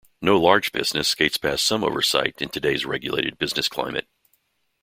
No large business skates past some oversight in today's regulated business climate.